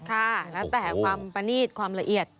ค่ะแล้วแต่ความประนีตความละเอียด